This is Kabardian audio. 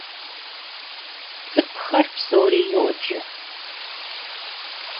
Ts'ık'uxer psori yoce.